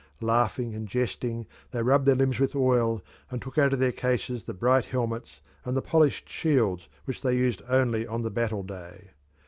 Laughing and jesting they rubbed their limbs with oil, and took out of their cases the bright helmets and the polished shields which they used only on the battle day.